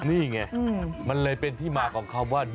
นี่ไงมันเลยเป็นที่มาของคำว่า